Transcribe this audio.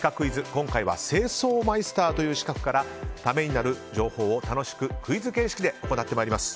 今回は清掃マイスターという資格からためになる情報を楽しくクイズ形式で行ってまいります。